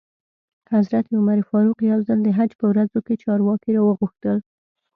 حضرت عمر فاروق یو ځل د حج په ورځو کې چارواکي را وغوښتل.